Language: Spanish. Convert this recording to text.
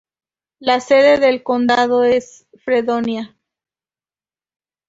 La sede del condado es Fredonia.